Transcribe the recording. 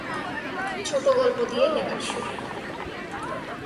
ছোটগল্প দিয়ে লেখার শুরু।